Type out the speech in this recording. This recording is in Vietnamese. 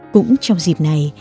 cũng trong dịp này